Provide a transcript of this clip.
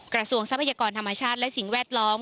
ทรัพยากรธรรมชาติและสิ่งแวดล้อม